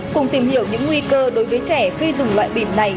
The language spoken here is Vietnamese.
cùng tìm hiểu những nguy cơ đối với trẻ khi dùng loại bìm này